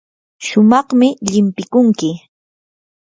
shumaqmi llimpikunki.